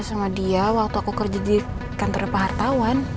kata sama dia waktu aku kerjadikan terdepa hartawan